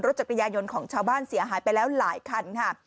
จักรยานยนต์ของชาวบ้านเสียหายไปแล้วหลายคันค่ะ